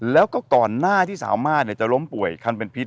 แล้วก็ก่อนหน้าที่สามารถจะล้มป่วยคันเป็นพิษ